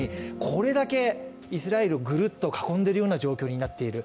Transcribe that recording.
これだけイスラエルをぐるっと囲んでいるような状況になっている。